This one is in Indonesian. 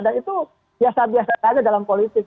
dan itu biasa biasa saja dalam politik